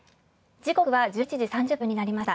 時刻は１１時３０分になりました